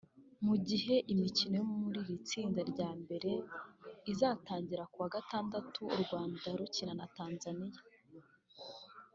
Mu gihe imikino yo muri iri tsinda rya mbere izatangira ku wa gatandatu u Rwanda rukina na Tanzania